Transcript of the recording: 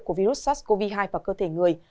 của virus sars cov hai vào cơ thể người